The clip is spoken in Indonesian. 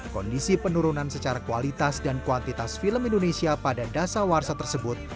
kondisi penurunan secara kualitas dan kuantitas film indonesia pada dasar warsa tersebut